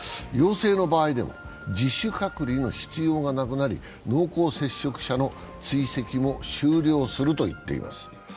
陽性の場合でも自主隔離の必要がなくなり濃厚接触者の追跡も終了すると言っています。